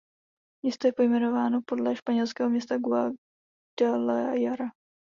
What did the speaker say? Město je pojmenováno podle španělského města Guadalajara.